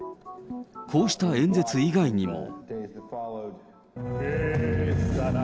こうした演説以外にも。